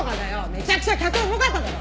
めちゃくちゃ客重かっただろ！